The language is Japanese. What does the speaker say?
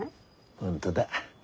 本当だ。